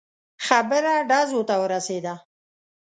خبره ډزو ته ورسېده.